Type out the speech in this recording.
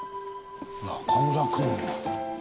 中村くん。